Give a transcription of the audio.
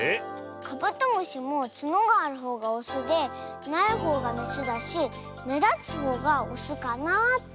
カブトムシもつのがあるほうがオスでないほうがメスだしめだつほうがオスかなあって。